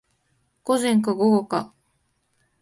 午前か午後か